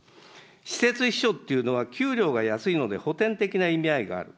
私設秘書というのは給料が安いので、補填的な意味合いがある。